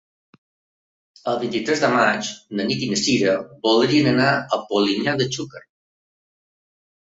El vint-i-tres de maig na Nit i na Cira voldrien anar a Polinyà de Xúquer.